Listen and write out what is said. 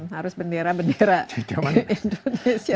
harus bendera bendera indonesia